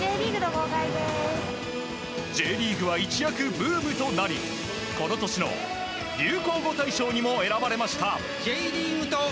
Ｊリーグは一躍大ブームとなりこの年の流行語大賞にも選ばれました。